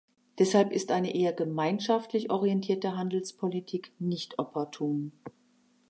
Deshalb ist eine eher gemeinschaftlich orientierte Handelspolitik nicht opportun.